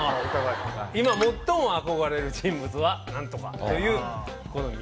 「今最も憧れる人物は何とか」というこの３つ。